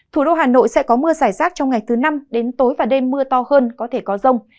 thủ đô hà nội sẽ có mưa giải rác trong ngày thứ năm đến tối và đêm mưa to hơn có thể có rông